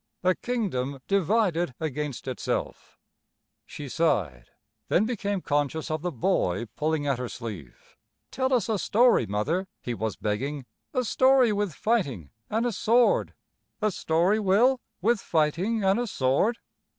A kingdom divided against itself. She sighed, then became conscious of the boy pulling at her sleeve. "Tell us a story, Mother," he was begging, "a story with fighting an' a sword." "A story, Will, with fighting and a sword?"